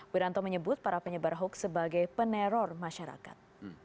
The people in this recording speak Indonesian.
wiranto menyebut para penyebar hoax sebagai peneror masyarakat